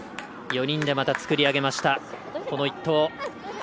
４人でまた作り上げましたこの１投。